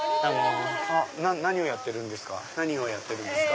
何をやってるんですか？